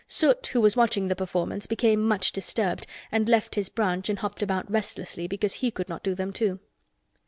Soot, who was watching the performance, became much disturbed and left his branch and hopped about restlessly because he could not do them too.